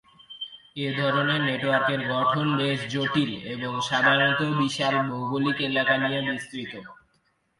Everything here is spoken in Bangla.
এ ধরনের নেটওয়ার্কের গঠন বেশ জটিল এবং সাধারণত বিশাল ভৌগোলিক এলাকা নিয়ে বিস্তৃত।